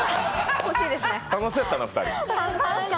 楽しそうやったな、２人。